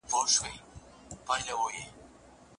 په اسلامي شریعت کې د نفقې کوم ډولونه شتون لري؟